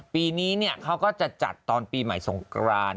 ปีนี้เขาก็จะจัดตอนปีใหม่สงกราน